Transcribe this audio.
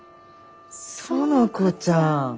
園子ちゃん。